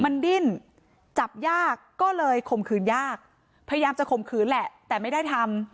มันดิ้นจับยากก็เลยข่มขืนยากพยายามจะข่มขืนแหละแต่ไม่ได้ทำ